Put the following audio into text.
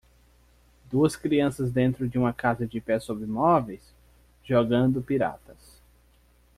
Duas crianças dentro de uma casa de pé sobre móveis? jogando piratas.